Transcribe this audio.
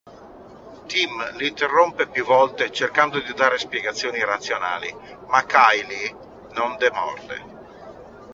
Tim l'interrompe più volte cercando di dare spiegazioni razionali, ma Kaylie non demorde.